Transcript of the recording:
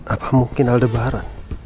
apa mungkin aldebaran